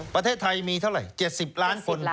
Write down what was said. ประเทศไทยมีเท่าไหร่๗๐ล้านคน